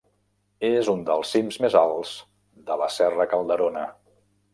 És un dels cims més alts de la serra Calderona.